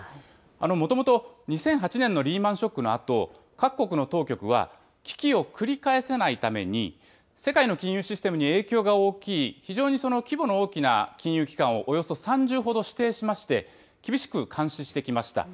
もともと２００８年のリーマンショックのあと、各国の当局は、危機を繰り返さないために、世界の金融システムに影響が大きい、非常にその規模の大きな金融機関をおよそ３０ほど指定しまして、厳しく監視してきました。